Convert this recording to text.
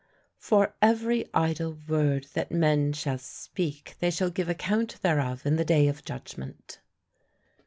"For every idle word that men shall speak, they shall give account thereof in the day of judgment."